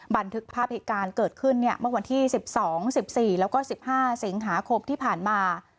บันทึกภาพเหตุการณ์เกิดขึ้นเมื่อวันที่๑๒๑๔แล้วก็๑๕สิงหาคมที่ผ่านมา